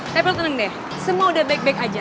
tapi lo teneng deh semua udah baik baik aja